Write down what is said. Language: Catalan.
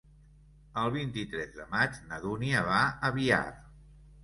El vint-i-tres de maig na Dúnia va a Biar.